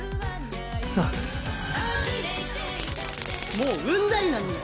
もううんざりなんだよ！